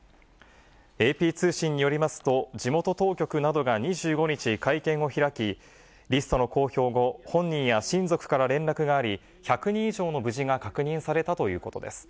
ＡＰ通信によりますと、地元当局などが２５日、会見を開き、リストの公表後、本人や親族から連絡があり、１００人以上の無事が確認されたということです。